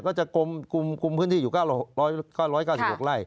ก็จะคุมพื้นที่อยู่๙๙๖ไร่